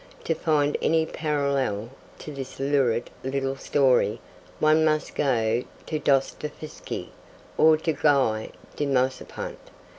To find any parallel to this lurid little story, one must go to Dostoieffski or to Guy de Maupassant.